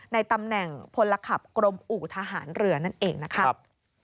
ในตำแหน่งพลขับกรมอู่ทหารเรือนั่นเองนะครับ